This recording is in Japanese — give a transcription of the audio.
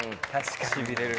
しびれる。